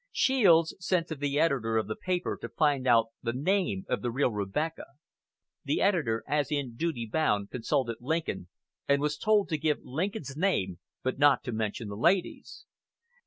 Shields sent to the editor of the paper to find out the name of the real "Rebecca." The editor, as in duty bound, consulted Lincoln, and was told to give Lincoln's name, but not to mention the ladies.